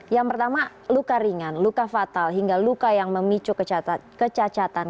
yang pertama luka ringan luka fatal hingga luka yang memicu kecacatan